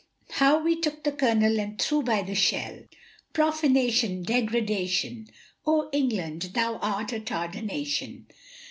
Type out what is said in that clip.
How we took the kernel, and threw by the shell, Profanation, degradation, Oh, England, thou art a tardanation!